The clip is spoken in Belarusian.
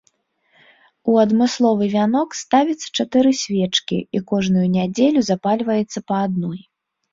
У адмысловы вянок ставіцца чатыры свечкі і кожную нядзелю запальваецца па адной.